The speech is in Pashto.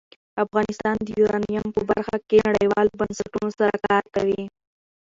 افغانستان د یورانیم په برخه کې نړیوالو بنسټونو سره کار کوي.